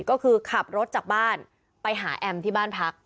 ก็คือขับรถจากบ้านไปหาแอมที่บ้านพัก